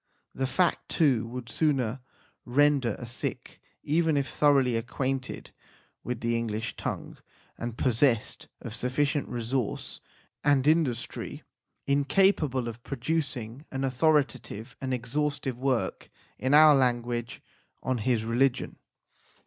This fact, too, would soon render a Sikh, even if thoroughly acquainted with the English tongue, and possessed of sufficient resource and in dustry, incapable of producing an authoritative and exhaustive work in our language on his religion.